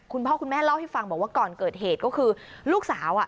คุณพ่อคุณแม่เล่าให้ฟังบอกว่าก่อนเกิดเหตุก็คือลูกสาวอ่ะ